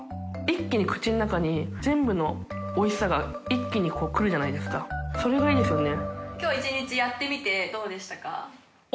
豕い口の中に全部のおいしさが豕いこうくるじゃないですかそれがいいですよね。